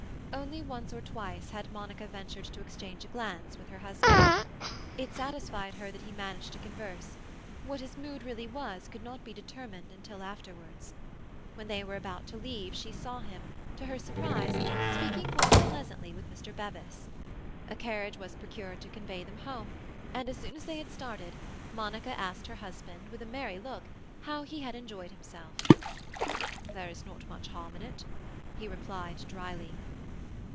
Only once or twice had Monica ventured to exchange a glance with her husband. It satisfied her that he managed to converse; what his mood really was could not be determined until afterwards. When they were about to leave she saw him, to her surprise, speaking quite pleasantly with Mr. Bevis. A carriage was procured to convey them home, and as soon as they had started, Monica asked her husband, with a merry look, how he had enjoyed himself. "There is not much harm in it," he replied dryly.